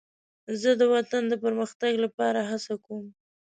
زه د وطن د پرمختګ لپاره هڅه کوم.